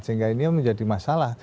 sehingga ini menjadi masalah